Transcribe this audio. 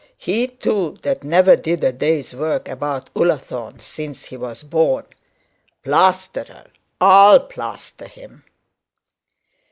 He too that never did a day's work about Ullathorne since he was born. Plaisterer! I'll plaister him!'